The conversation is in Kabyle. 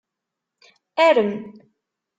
Arem.